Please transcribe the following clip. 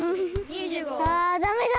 あダメだ。